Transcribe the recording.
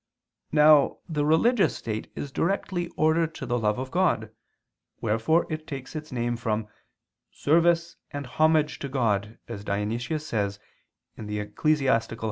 Now the religious state is directly ordered to the love of God, wherefore it takes its name from "service and homage to God," as Dionysius says (Eccl.